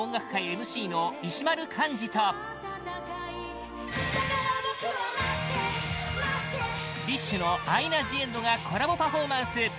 ＭＣの石丸幹二とＢｉＳＨのアイナ・ジ・エンドがコラボパフォーマンス！